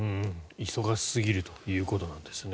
忙しすぎるということなんですね。